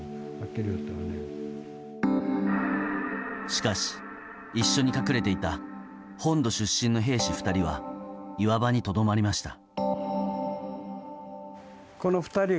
しかし、一緒に隠れていた本土出身の兵士２人は岩場にとどまりました。